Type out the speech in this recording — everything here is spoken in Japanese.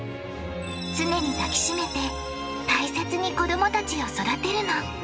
常に抱きしめて大切に子どもたちを育てるの。